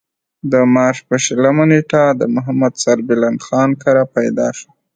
د مارچ پۀ شلمه نېټه د محمد سربلند خان کره پېدا شو ۔